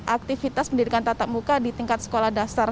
aktivitas pendidikan tatap muka di tingkat sekolah dasar